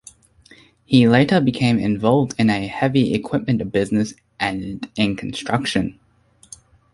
He later became involved in a heavy equipment business and in construction.